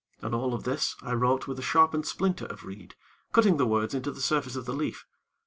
And all of this, I wrote with a sharpened splinter of reed, cutting the words into the surface of the leaf.